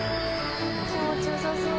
気持ちよさそう！